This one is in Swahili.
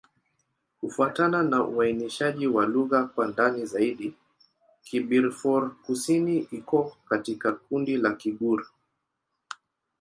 Kufuatana na uainishaji wa lugha kwa ndani zaidi, Kibirifor-Kusini iko katika kundi la Kigur.